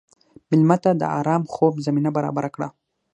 مېلمه ته د ارام خوب زمینه برابره کړه.